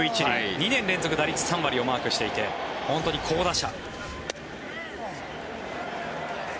２年連続打率３割をマークしていて本当に好打者。